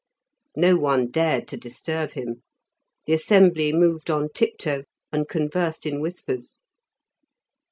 No one dared to disturb him; the assembly moved on tiptoe and conversed in whispers.